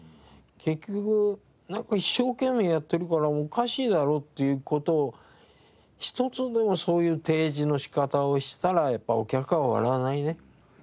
結局「一生懸命やってるからおかしいだろ」っていう事を一つでもそういう提示の仕方をしたらやっぱお客は笑わないね。